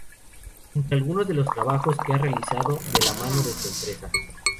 Entre algunos de los trabajos que ha realizado de la mano de su empresa.